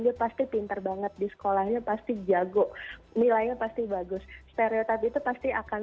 dia pasti pinter banget di sekolahnya pasti jago nilainya pasti bagus stereotip itu pasti akan